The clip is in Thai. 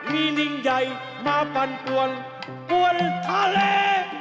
มีลิงใหญ่มาปั่นปวนปวนทะเล